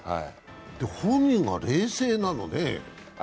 本人が冷静なのね。